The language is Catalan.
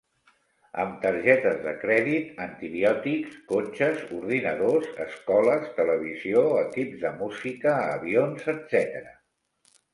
Amb targetes de crèdit, antibiòtics, cotxes, ordinadors, escoles, televisió, equips de música, avions, etcètera.